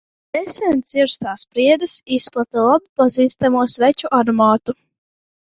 Nesen cirstās priedes izplata labi pazīstamo sveķu aromātu.